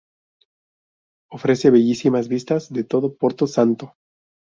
Ofrece bellísimas vistas de toda Porto Santo.